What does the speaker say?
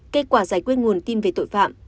kết quả giải quyết nguồn tin về tội phạm